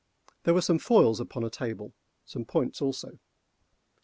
There were some foils upon a table—some points also.